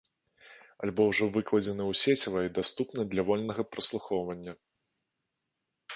Альбом ужо выкладзены ў сеціва і даступны для вольнага праслухоўвання.